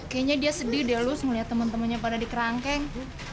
kayaknya dia sedih deh lus ngeliat temen temennya pada dikerangkeng